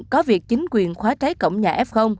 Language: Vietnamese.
có việc chính quyền khóa trái cổng nhà f